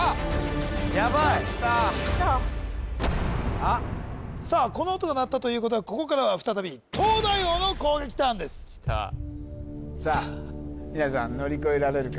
ヤバいさあこの音が鳴ったということはここからは再び東大王の攻撃ターンですさあ皆さん乗り越えられるか？